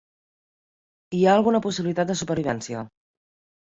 Hi ha alguna possibilitat de supervivència.